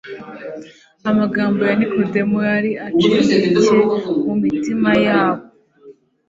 Amagambo ya Nikodemu yari acengcye mu mitimanama yabo.